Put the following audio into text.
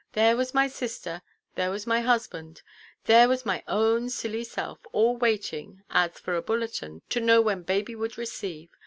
There was my sister, there was my husband, there was my own silly self, all waiting, as for a bulletin, to know when baby would receive.